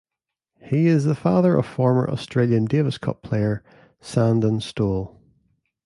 He is the father of former Australian Davis Cup player Sandon Stolle.